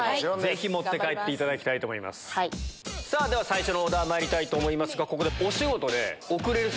最初のオーダーにまいりたいと思いますがここでお仕事で遅れる。